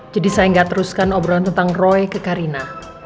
jadi saya gak teruskan obrolan tentang roy ke karina